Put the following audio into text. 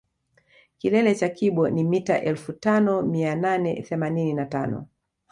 Kilele cha kibo ni mita elfu tano mia nane themanini na tano